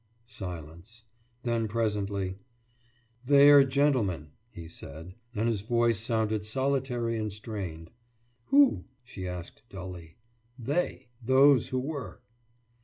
« Silence. Then presently: »They are gentlemen,« he said, and his voice sounded solitary and strained. »Who?« she asked, dully. »They Those who were.